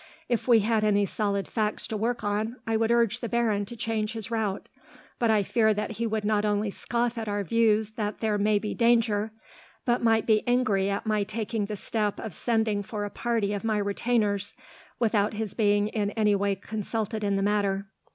If we had any solid facts to work on, I would urge the baron to change his route, but I fear that he would not only scoff at our views that there may be danger, but might be angry at my taking the step of sending for a party of my retainers, without his being in any way consulted in the matter.